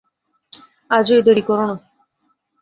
আজই, দেরি কোরো না।